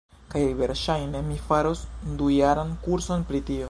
kaj verŝajne mi faros dujaran kurson pri tio.